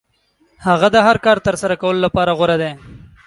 هغه د هر کار ترسره کولو لپاره غوره دی.